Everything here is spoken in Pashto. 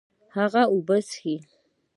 هغه اوبه څښي